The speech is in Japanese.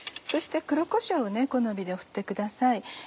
そして黒こしょうを好みで振ってください。